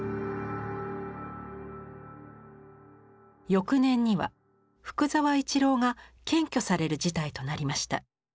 翌年には福沢一郎が検挙される事態となりました。